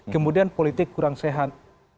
kemudian politik kurang sehat